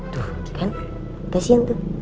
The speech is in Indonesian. tuh kan kasian tuh